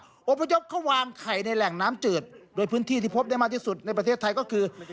พยพเขาวางไข่ในแหล่งน้ำจืดโดยพื้นที่ที่พบได้มากที่สุดในประเทศไทยก็คือ